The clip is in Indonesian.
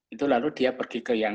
itu lalu dia pergi ke yang